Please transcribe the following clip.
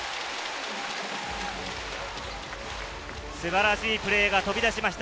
素晴らしいプレーが飛び出しました。